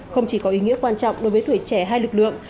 không chỉ có ý nghĩa quan trọng đối với tuổi trẻ hai lực lượng